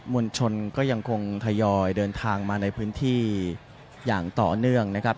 ลชนก็ยังคงทยอยเดินทางมาในพื้นที่อย่างต่อเนื่องนะครับ